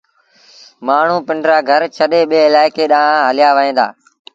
مآڻهوٚݩ پنڊرآ گھر ڇڏي ٻي الآئيڪي ڏآنهن هليآوهيݩ دآ۔